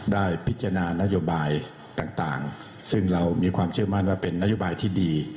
ได้พิจารณานโยบายต่างซึ่งเรามีความเชื่อมั่นว่าเป็นนโยบายที่ดี